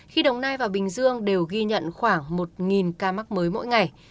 khi đồng nai và bình dương đều ghi nhận khoảng một ca mắc mới mỗi ngày